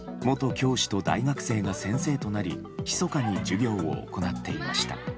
元教師と大学生が先生となりひそかに授業を行っていました。